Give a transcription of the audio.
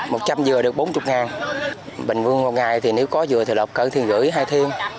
một chăm dừa được bốn mươi ngàn bình vương một ngày thì nếu có dừa thì lọc cận thêm gửi hay thêm